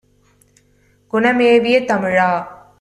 குணமேவிய தமிழா!